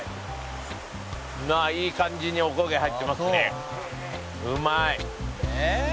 いい感じにおこげ入ってますね。